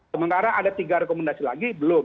sementara ada tiga rekomendasi lagi belum